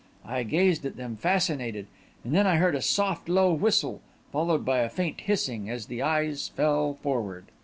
I gazed at them, fascinated, and then I heard a soft, low whistle, followed by a faint hissing, as the eyes fell forward.